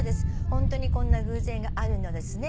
「ホントにこんな偶然があるのですね」